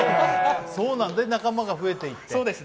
それで仲間が増えていって。